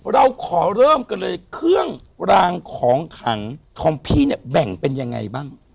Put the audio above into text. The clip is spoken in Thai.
เราขอเริ่มกันเลยเครื่องรางของขังของพี่เนี่ยแบ่งเป็นยังไงบ้าง